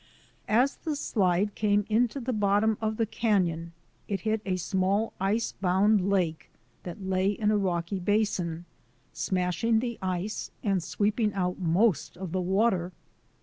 As the slide came into the bottom of the canon it hit a small ice bound lake that lay in a rocky basin, smashing the ice and sweeping out most of the water.